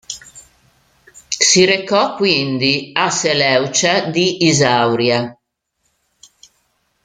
Si recò quindi a Seleucia di Isauria.